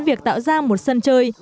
việc tạo ra một sân chơi